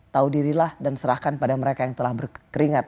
tahu dirilah dan serahkan pada mereka yang telah berkeringat